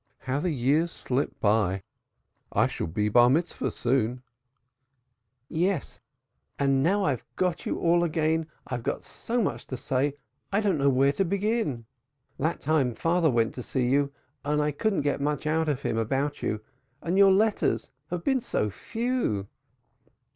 How the years slip by! I shall be Barmitzvah soon." "Yes, and now I've got you again I've so much to say I don't know where to begin. That time father went to see you I couldn't get much out of him about you, and your own letters have been so few."